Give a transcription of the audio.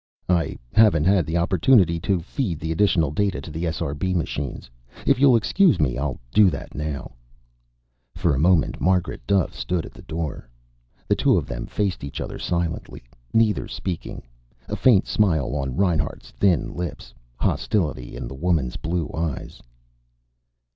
"I haven't had an opportunity to feed the additional data to the SRB machines. If you'll excuse me, I'll do that now." For a moment Margaret Duffe stood at the door. The two of them faced each other silently, neither speaking, a faint smile on Reinhart's thin lips, hostility in the woman's blue eyes.